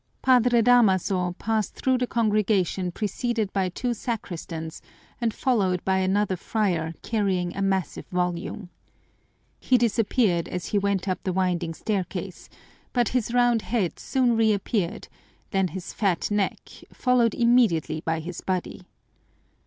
Padre Damaso passed through the congregation preceded by two sacristans and followed by another friar carrying a massive volume. He disappeared as he went up the winding staircase, but his round head soon reappeared, then his fat neck, followed immediately by his body.